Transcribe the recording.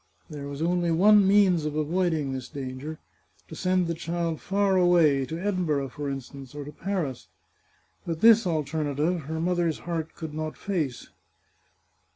There was only one means of avoiding this dan 531 The Chartreuse of Parma ger — ^to send the child far away, to Edinburgh, for instance, or to Paris. But this alternative her mother's heart could not face.